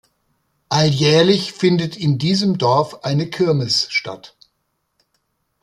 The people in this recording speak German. Alljährlich findet in diesem Dorf eine Kirmes statt.